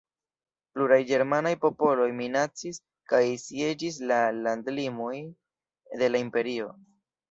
Pluraj ĝermanaj popoloj minacis kaj sieĝis la landlimojn de la Imperio.